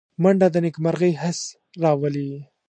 منډه د نېکمرغۍ حس راولي